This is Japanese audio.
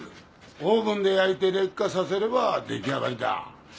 オーブンで焼いて劣化させれば出来上がりだ。